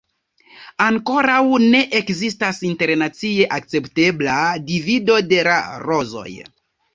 Ankoraŭ ne ekzistas internacie akceptebla divido de la rozoj.